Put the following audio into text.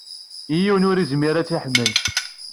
Yiwen ur izmir ad tt-iḥemmel.